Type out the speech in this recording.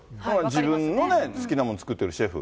自分のね、好きなもの作ってるシェフ。